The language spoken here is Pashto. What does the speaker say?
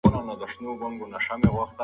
که ډېر خوراک وکړې نو ناروغه به شې.